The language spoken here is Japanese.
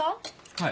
はい。